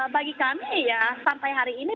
bagi kami ya sampai hari ini